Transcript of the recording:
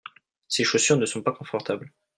ces chaussures ne sont pas confortables.